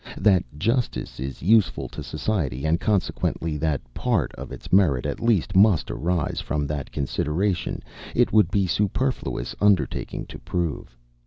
That justice is useful to society, and consequently that part of its merit, at least, must arise from that consideration, it would be a superfluous undertaking to prove.